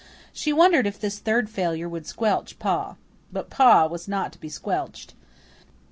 She wondered if this third failure would squelch Pa. But Pa was not to be squelched.